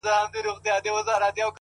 پوهه د انتخاب ځواک زیاتوي،